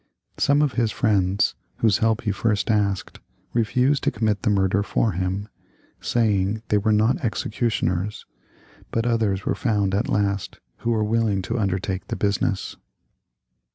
Some of his friends, whose help he first asked, refused to commit the murder for him, saying they were not exe cutioners, but others were found at last, who were willing to undertake the business.